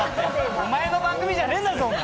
お前の番組じゃねぇんだぞ。